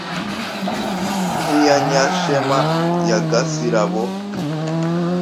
Nk’iya Nyashema ya Gasirabo